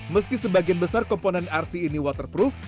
meski sebagian besar komponen rc ini waterproof